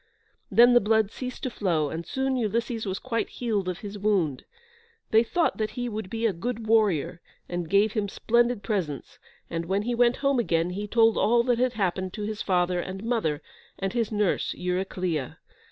Then the blood ceased to flow, and soon Ulysses was quite healed of his wound. They thought that he would be a good warrior, and gave him splendid presents, and when he went home again he told all that had happened to his father and mother, and his nurse, Eurycleia.